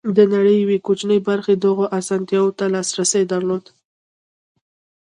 د نړۍ یوې کوچنۍ برخې دغو اسانتیاوو ته لاسرسی درلود.